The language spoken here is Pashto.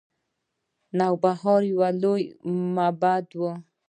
نوبهار یو لوی معبد و